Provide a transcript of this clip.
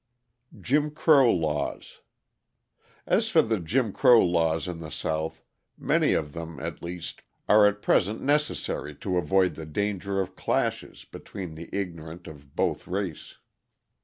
Jim Crow Laws As for the Jim Crow laws in the South, many of them, at least, are at present necessary to avoid the danger of clashes between the ignorant of both race.